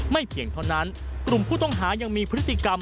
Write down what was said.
เพียงเท่านั้นกลุ่มผู้ต้องหายังมีพฤติกรรม